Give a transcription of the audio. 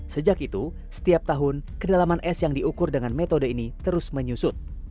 sejak itu setiap tahun kedalaman es yang diukur dengan metode ini terus menyusut